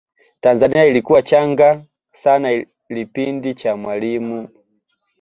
tanzania ilikuwa changa sana lipindi cha mwalimu